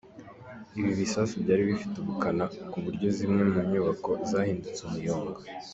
Ibi bisasu byari bifite ubukana ku buryo zimwe mu nyubako zahindutse umuyonga.